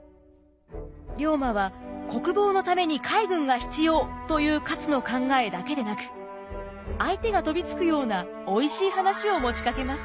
龍馬は「国防のために海軍が必要」という勝の考えだけでなく相手が飛びつくようなおいしい話を持ちかけます。